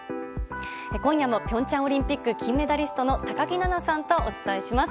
今夜も平昌オリンピック金メダリストの高木菜那さんとお伝えします。